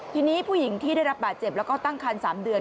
ทีนี้ผู้หญิงที่ได้รับบาดเจ็บแล้วก็ตั้งคัน๓เดือน